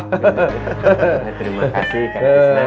terima kasih kan tisna